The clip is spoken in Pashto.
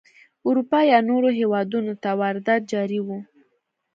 اروپا یا نورو هېوادونو ته واردات جاري وو.